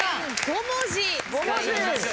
５文字使いました。